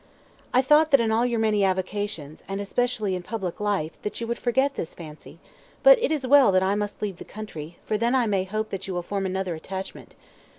"I thought that in all your many avocations, and especially in public life, that you would forget this fancy, but it is well that I must leave the country, for then I may hope that you will form another attachment.